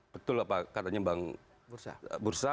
betul apa katanya bang bursa